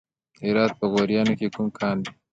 د هرات په غوریان کې کوم کان دی؟